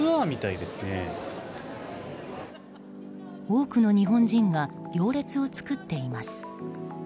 多くの日本人が行列を作っています。